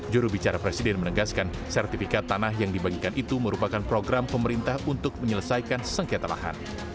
jurubicara presiden menegaskan sertifikat tanah yang dibagikan itu merupakan program pemerintah untuk menyelesaikan sengketa lahan